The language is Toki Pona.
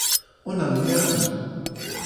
ona li jaki!